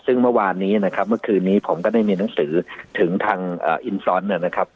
ซึ่งเมื่อวานนี้นะครับเมื่อคืนนี้ผมก็ได้มีหนังสือถึงทางอินซอนด์นะครับ